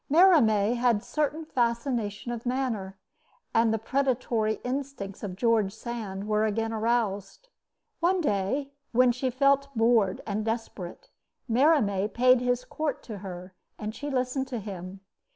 Merimee had a certain fascination of manner, and the predatory instincts of George Sand were again aroused. One day, when she felt bored and desperate, Merimee paid his court to her, and she listened to him.